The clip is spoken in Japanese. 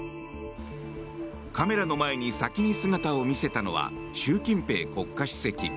カメラの前に先に姿を見せたのは習近平国家主席。